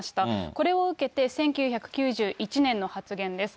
これを受けて１９９１年の発言です。